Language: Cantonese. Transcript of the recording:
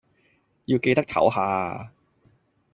要記得抖下呀